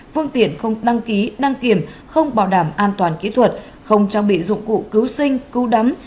phương tiện không đăng ký đăng kiểm không bảo đảm an toàn kỹ thuật không trang bị dụng cụ cứu sinh cứu đắm